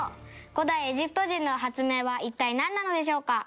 古代エジプト人の発明は一体なんなのでしょうか？